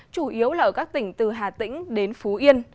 chủ yếu là ở các tỉnh từ hà tĩnh đến phú yên